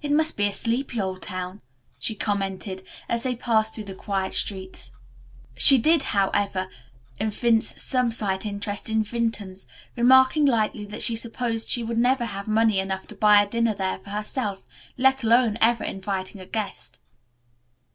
"It must be a sleepy old town," she commented, as they passed through the quiet streets. She did, however, evince some slight interest in Vinton's, remarking lightly that she supposed she would never have money enough to buy a dinner there for herself, let alone ever inviting a guest.